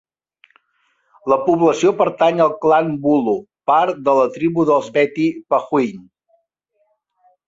La població pertany al clan Bulu, part de la tribu dels Beti-Pahuin.